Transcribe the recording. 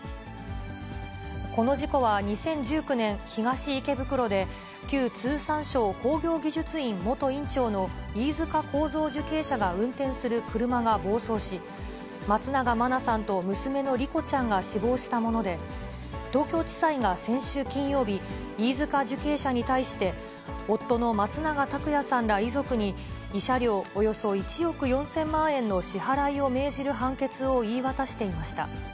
この事故は２０１９年、東池袋で、旧通産省工業技術院元院長の飯塚幸三受刑者が運転する車が暴走し、松永真菜さんと娘の莉子ちゃんが死亡したもので、東京地裁が先週金曜日、飯塚受刑者に対して、夫の松永拓也さんら遺族に、慰謝料およそ１億４０００万円の支払いを命じる判決を言い渡していました。